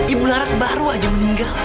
ibu laras baru aja meninggal